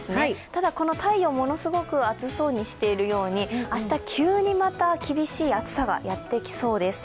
ただこの太陽、ものすごく暑そうにしているように明日、急にまた厳しい暑さがやってきそうです。